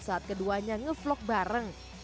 saat keduanya ngevlog bareng